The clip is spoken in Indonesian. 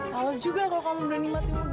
halaas juga kalau kamu berani mati muda